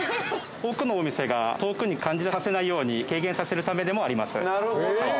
奥のお店が遠くに感じさせないように、軽減させるためでもあります。